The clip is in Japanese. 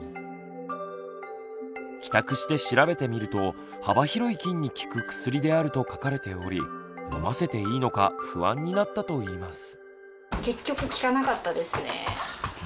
帰宅して調べてみると幅広い菌に効く薬であると書かれており飲ませていいのか不安になったといいます。